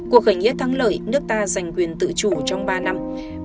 cuộc khởi nghĩa thắng lợi nước ta giành quyền tự chủ trong ba năm